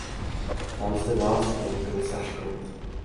Ptám se vás, paní komisařko.